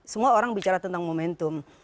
semua orang bicara tentang momentum